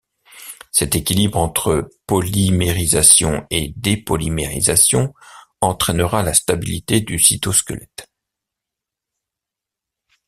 Cet équilibre entre polymérisation et dépolymérisation entrainera la stabilité du cytosquelette.